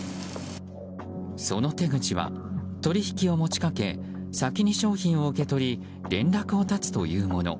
その手口は、取引を持ちかけ先に商品を受け取り連絡を絶つというもの。